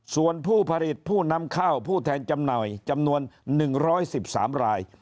ส่วนผู้ผลิตผู้นำข้าวผู้แทนจำหน่ายจำนวน๑๑๓ราย